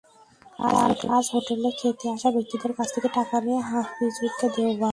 তাঁর কাজ হোটেলে খেতে আসা ব্যক্তিদের কাছ থেকে টাকা নিয়ে হাফিজুরকে দেওয়া।